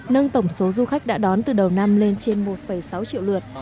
nâng tổng số du khách đã đón từ đầu năm lên trên một sáu triệu lượt